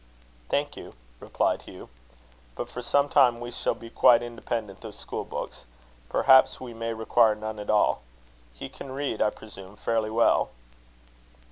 "Thank you," replied Hugh; "but for some time we shall be quite independent of school books. Perhaps we may require none at all. He can read, I presume, fairly well?"